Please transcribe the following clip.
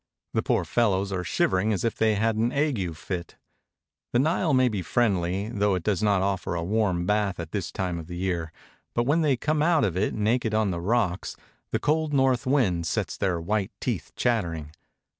The poor fel lows are shivering as if they had an ague fit. The Nile may be friendly, though it does not ojGfer a warm bath at this time of the year, but when they come out of it naked on the rocks the cold north wind sets their white teeth chattering.